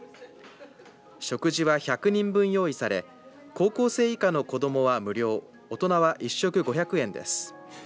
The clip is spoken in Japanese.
食事は１００人分用意され高校生以下の子どもは無料大人は１食５００円です。